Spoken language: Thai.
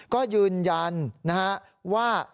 ก็ยืนยันนะฮะว่า